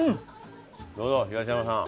どうぞ東山さん。